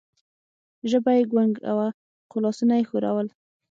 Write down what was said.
ژبه یې ګونګه وه، خو لاسونه یې ښورول.